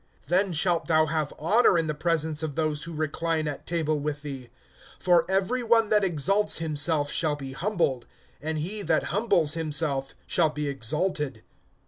Then shalt thou have honor in the presence of those who recline at table with thee. (11)For every one that exalts himself shall be humbled; and he that humbles himself shall be exalted.